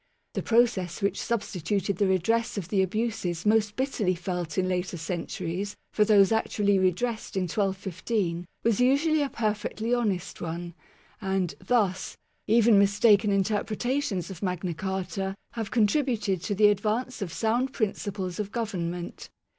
The pro cess which substituted the redress of the abuses most bitterly felt in later centuries for those actually re dressed in 1215 was usually a perfectly honest one; and, thus, even mistaken interpretations of Magna Carta have contributed to the advance of sound prin ciples of government.